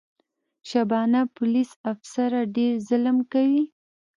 شبانه پولیس افیسره ډېر ظلم کوي.